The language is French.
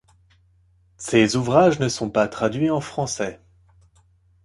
Ses ouvrages ne sont pas traduits en français.